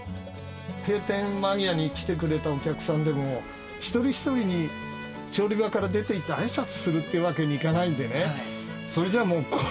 閉店間際に来てくれたお客さんでも、一人一人に調理場から出ていって、あいさつするってわけにはいかないんでね。